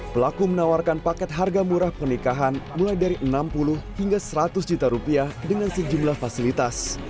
pelaku menawarkan paket harga murah pernikahan mulai dari enam puluh hingga seratus juta rupiah dengan sejumlah fasilitas